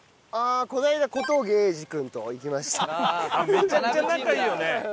めちゃくちゃ仲いいよね。